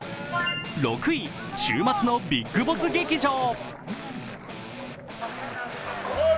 ６位、週末のビッグボス劇場。